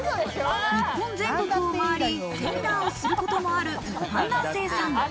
日本全国を回り、セミナーをすることもある一般男性さん。